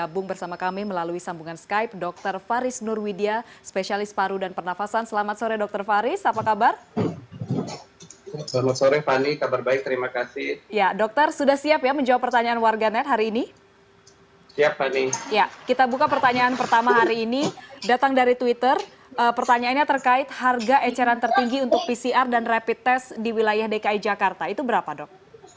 pertanyaan pertama hari ini datang dari twitter pertanyaannya terkait harga eceran tertinggi untuk pcr dan rapid test di wilayah dki jakarta itu berapa dok